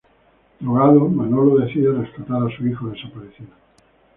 Drogado, Manolo decide rescatar a su hijo desaparecido.